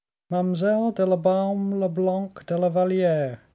"Mademoiselle de la Baume le Blanc de la Valliere!"